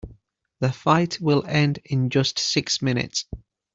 The fight will end in just six minutes.